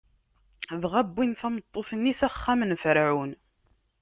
Dɣa wwin tameṭṭut-nni s axxam n Ferɛun.